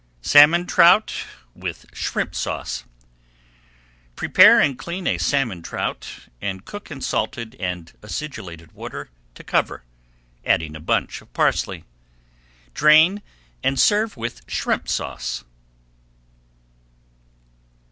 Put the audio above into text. SALMON TROUT WITH SHRIMP SAUCE Prepare and clean a salmon trout and cook in salted and acidulated water to cover, adding a bunch of parsley. Drain and serve with Shrimp Sauce.